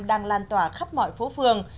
đang lan tỏa khắp mọi phố phường